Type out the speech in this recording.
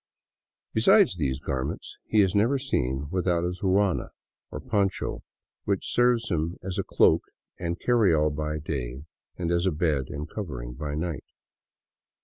Besides these garments, he is never seen without his ruana, or poncho, which serves him as a cloak and carry all by day, and as a bed and covering by night.